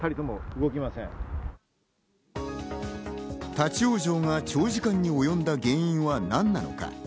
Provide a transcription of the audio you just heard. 立ち往生が長時間におよんだ原因は何なのか。